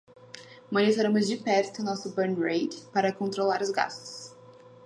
Monitoramos de perto nosso burn rate para controlar os gastos.